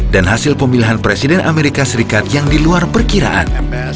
dan hasil pemilihan presiden amerika serikat yang diluar perkiraan